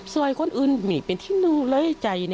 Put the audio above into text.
ส่วนอื่นเป็นอยู่ที่นุ่นแย่ใจ